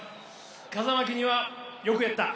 風巻には「よくやった！」。